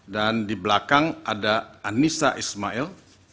dan di belakang ada anissa ismail